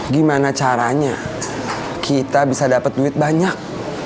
gimana caranya kita bisa dapat duit banyak